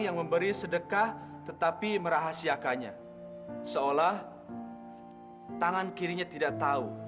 yang memberi sedekah tetapi merahasiakannya seolah tangan kirinya tidak tahu